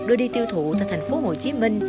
đưa đi tiêu thụ thành phố hồ chí minh